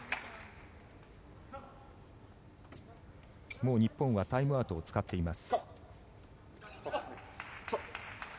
もう日本はタイムアウトを使っています。